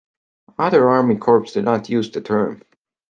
Other army corps do not use the term.